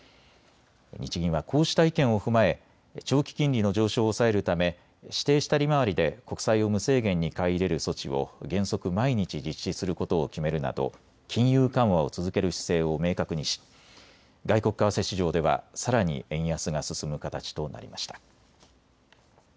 日銀はこうした意見を踏まえ長期金利の上昇を抑えるため指定した利回りで国債を無制限に買い入れる措置を原則、毎日実施することを決めるなど金融緩和を続ける姿勢を明確にし外国為替市場ではさらに円安が進む形となりました。